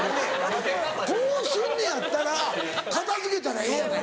こうすんねやったら片付けたらええやない。